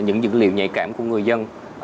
những dữ liệu nhạy cảm của người dân